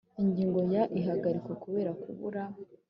Ingingo ya ihagarikwa kubera kubura